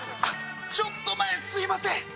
あちょっと前すいません